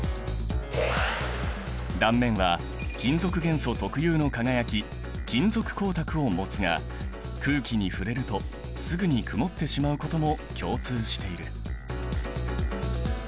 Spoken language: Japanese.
断面は金属元素特有の輝き金属光沢を持つが空気に触れるとすぐにくもってしまうことも共通している。